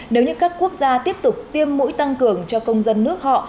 nếu như các quốc gia tiếp tục tiêm mũi tăng cường cho công dân nước họ